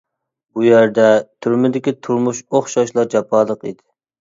بۇ يەردە تۈرمىدىكى تۇرمۇش ئوخشاشلا جاپالىق ئىدى.